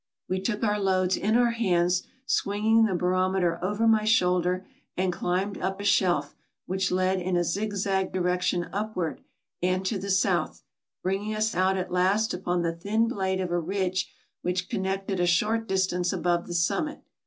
We took our loads in our hands, swing ing the barometer over my shoulder, and climbed up a shelf which led in a zig zag direction upward and to the south, bringing us out at last upon the thin blade of a ridge which connected a short distance above the summit.